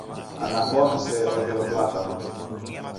αναφώνησε ο γερο-πλάτανος.